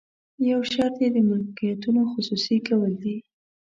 یو شرط یې د ملکیتونو خصوصي کول دي.